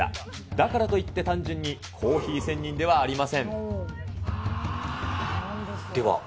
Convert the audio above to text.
だからといって単純にコーヒー仙人ではありません。